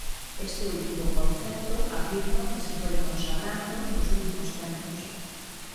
Este último concepto afirma que se foi consagrando nos últimos tempos.